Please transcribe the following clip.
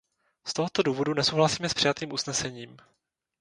Z tohoto důvodu nesouhlasíme s přijatým usnesením.